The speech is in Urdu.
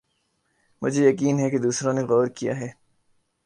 مجھے یقین ہے کہ دوسروں نے غور کِیا ہے